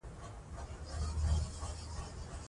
د ماشومانو روزنه د یوې روښانه ټولنې د جوړولو بنسټ دی.